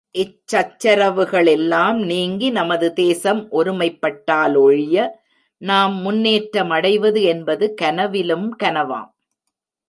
இச் சச்சரவுகளெல்லாம் நீங்கி நமது தேசம் ஒருமைப்பட்டாலொழிய, நாம் முன்னேற்றமடைவது என்பது கனவிலும் கனவாம்.